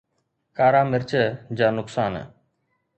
ڪارا مرچ جا نقصان